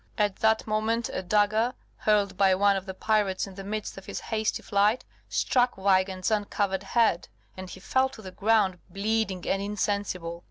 At that moment a dagger, hurled by one of the pirates in the midst of his hasty flight, struck Weigand's uncovered head, and he fell to the ground bleeding and insensible.